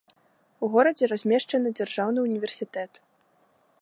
У горадзе размешчаны дзяржаўны ўніверсітэт.